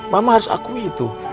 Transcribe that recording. mama harus akui itu